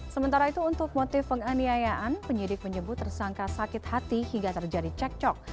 sementara itu untuk motif penganiayaan penyidik menyebut tersangka sakit hati hingga terjadi cekcok